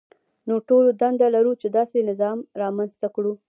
نو ټول دنده لرو چې داسې نظام رامنځته کړو.